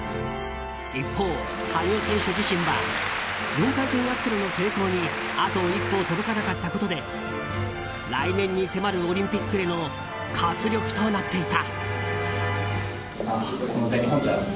一方、羽生選手自身は４回転アクセルの成功にあと一歩届かなかったことで来年に迫るオリンピックへの活力となっていた。